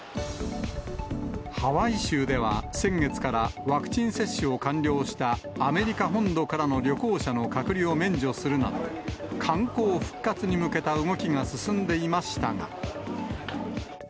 ハワイ州では先月から、ワクチン接種を完了したアメリカ本土からの旅行者の隔離を免除するなど、観光復活に向けた動きが進んでいましたが。